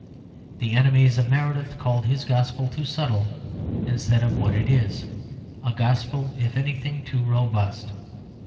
The enemies of Meredith call his gospel too subtle, instead of what it is, a gospel, if anything, too robust.